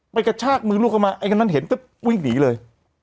กระชากมือลูกเข้ามาไอ้คนนั้นเห็นปุ๊บวิ่งหนีเลย